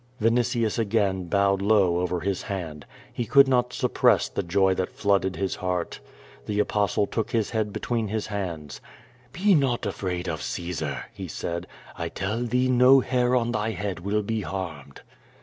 Vinitius again bowed low over his hand. He could not 8up])rcss the joy that flooded his heart. The Apostle took his head between his hands. "Be not afraid of Caesar," he said. I tell thee no hair on thy head will be harmed."